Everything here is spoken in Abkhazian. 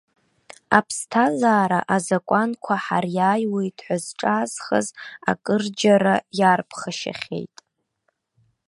Аԥсҭазаара азакәанқәа ҳариааиуеит ҳәа зҿаазхаз акырџьара иарԥхашьахьеит.